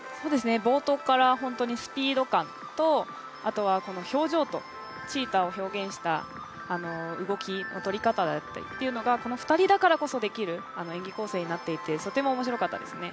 冒頭から本当にスピード感と、表情と、チーターを表現した動きのとり方というのが、この２人だからこそできる演技構成になっていてとても面白かったですね。